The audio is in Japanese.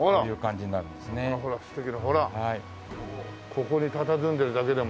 ここにたたずんでるだけでも。